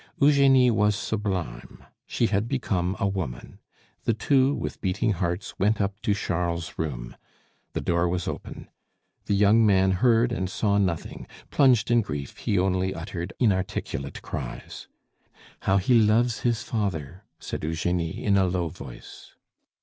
Eugenie was sublime: she had become a woman. The two, with beating hearts, went up to Charles's room. The door was open. The young man heard and saw nothing; plunged in grief, he only uttered inarticulate cries. "How he loves his father!" said Eugenie in a low voice.